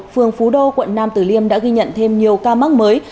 phường phú đô quận nam tử liêm đã ghi nhận thêm nhiều ca mắc mới